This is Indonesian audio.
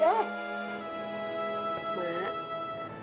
mak mak kan sekarang udah tua